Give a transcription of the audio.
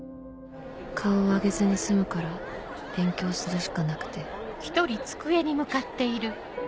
顔を上げずに済むから勉強するしかなくて。